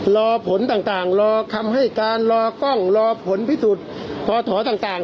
รอผลต่างรอคำให้การรอกล้องรอผลพิสูจน์พอถอต่าง